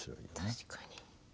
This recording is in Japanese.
確かに。